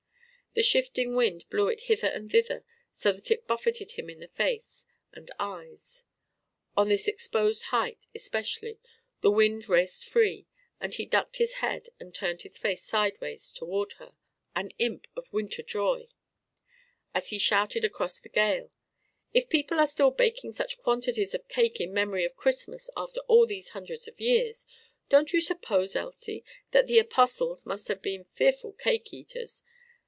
The shifting wind blew it hither and thither so that it buffeted him in the face and eyes. On this exposed height, especially, the wind raced free; and he ducked his head and turned his face sidewise toward her an imp of winter joy as he shouted across the gale: "If people are still baking such quantities of cake in memory of Christmas after all these hundreds of years, don't you suppose, Elsie, that the Apostles must have been fearful cake eaters?